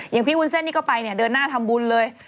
อย่างพี่วุ้นเส้นนี่ก็ไปเนี่ยเดินหน้าทำบุญเลย